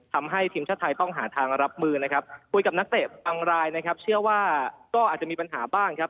ทำให้ทีมชาติไทยต้องหาทางรับมือนะครับคุยกับนักเตะบางรายนะครับเชื่อว่าก็อาจจะมีปัญหาบ้างครับ